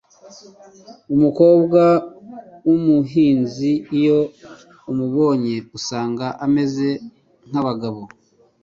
umukobwa wumuhinzi iyo umubonye usanga ameze nkabagabo